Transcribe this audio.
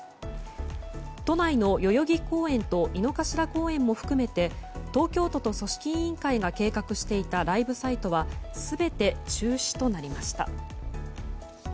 都内の代々木公園と井の頭公園も含めて東京都と組織委員会が計画していたライブサイトは全て中止となりました。